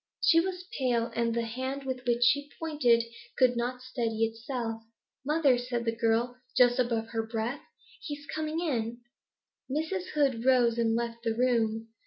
She was pale, and the hand with which she pointed could not steady itself. 'Mother,' said the girl, just above her breath, 'go! He is coming in!' Mrs. Hood rose and left the room.